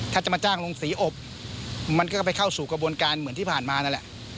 ถ้าจะมาจ้างลงสีอบมันก็ไปเข้าสู่กระบวนการเหมือนที่ผ่านมานั่นแหละ